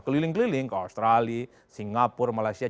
keliling keliling ke australia singapura malaysia